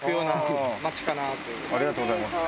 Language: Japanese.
ありがとうございます。